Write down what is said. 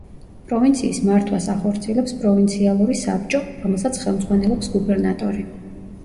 პროვინციის მართვას ახორციელებს პროვინციალური საბჭო, რომელსაც ხელმძღვანელობს გუბერნატორი.